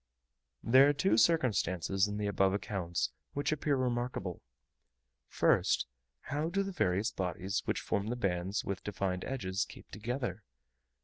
There are two circumstances in the above accounts which appear remarkable: first, how do the various bodies which form the bands with defined edges keep together?